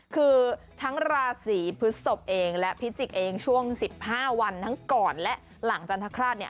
คือทั้งราศีพฤศพและพิจิกช่วง๑๕วันทั้งก่อนและหลังจันทราศน์